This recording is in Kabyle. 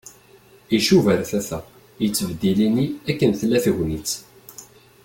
Icuba ar tata. Yettbeddil ini akken tella tegnit.